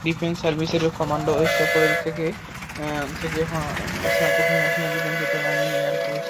তিনি defence services command এবং staff college থেকে স্নাতক হন এবং ন্যাশনাল ডিফেন্স কলেজে আর্মি ওয়ার কোর্স সম্পন্ন করেন।